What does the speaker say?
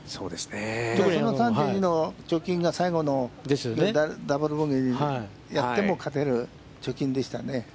その貯金が最後のダブル・ボギーやっても勝てる貯金でしたね。